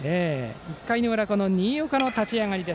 １回の裏新岡の立ち上がり。